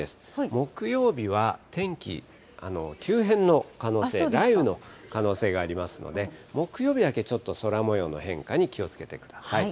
木曜日は天気、急変の可能性、雷雨の可能性がありますので、木曜日だけちょっと空もようの変化に気をつけてください。